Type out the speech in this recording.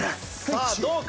さあどうか？